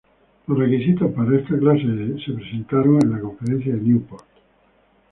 Los requisitos para esta clase se presentaron en la Conferencia de Newport.